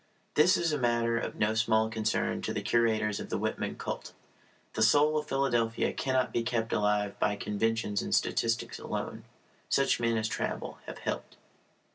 This is a matter of no small concern to the curators of the Whitman cult. The soul of Philadelphia cannot be kept alive by conventions and statistics alone. Such men as Traubel have helped.